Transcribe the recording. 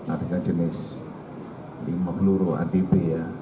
argotika jenis limah luruh atp ya